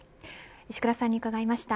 石倉さんに伺いました。